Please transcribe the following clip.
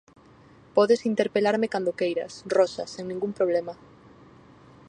Podes interpelarme cando queiras, Rosa, sen ningún problema.